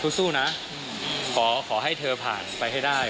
สู้นะขอให้เธอผ่านไปให้ได้